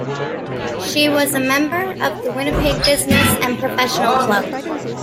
She was a member of the Winnipeg Business and Professional Club.